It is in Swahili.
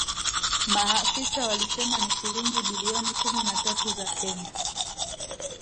Maafisa walisema ni shilingi bilioni kumi na tatu za Kenya